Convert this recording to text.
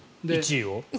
１位を？